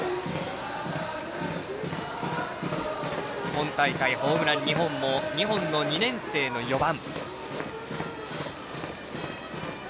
今大会ホームラン２本の２年生の４番。